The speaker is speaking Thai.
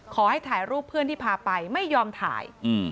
ขอให้ถ่ายรูปเพื่อนที่พาไปไม่ยอมถ่าย